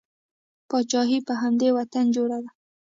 پاچاهي په همدې وطن جوړه ده.